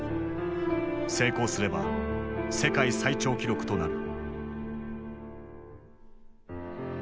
成功すれば世界最長記録となる。